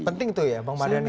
penting tuh ya bang mardhani